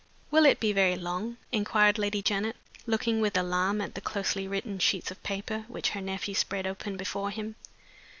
"Will it be very long?" inquired Lady Janet, looking with some alarm at the closely written sheets of paper which her nephew spread open before him.